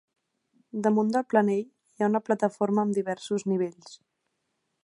Damunt del planell hi ha una plataforma amb diversos nivells.